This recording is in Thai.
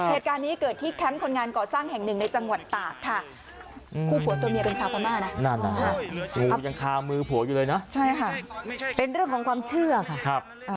เหตุการณ์นี้เกิดที่แคมป์คนงานก่อสร้างแห่งหนึ่งในจังหวัดตากค่ะ